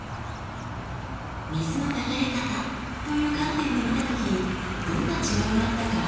「水の流れ方」という観点で見た時どんな違いがあったか覚えていますか？